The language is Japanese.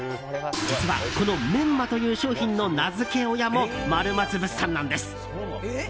実は、このメンマという商品の名付け親も丸松物産なんです。